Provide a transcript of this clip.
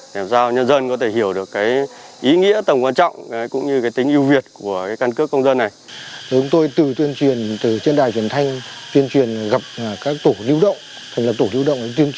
để làm sao nhân dân có thể hiểu được